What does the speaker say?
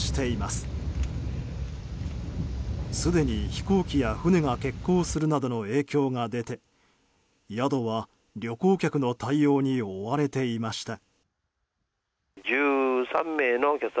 すでに飛行機や船が欠航するなどの影響が出て宿は旅行客の対応に追われていました。